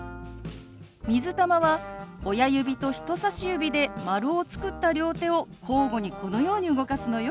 「水玉」は親指と人さし指で丸を作った両手を交互にこのように動かすのよ。